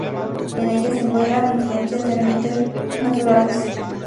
En ella, se encuentran influencias de ambientes naturales.